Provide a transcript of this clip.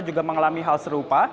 juga mengalami hal serupa